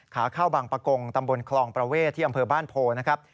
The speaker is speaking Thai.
ขาเข้าบางประกงตำบลคลองประเวทที่อำเภอบ้านโพนะครับ